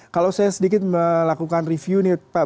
kalau saya sedikit melakukan review nih pak